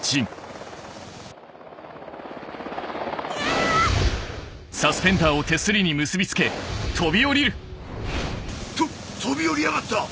あっ‼と飛び降りやがった！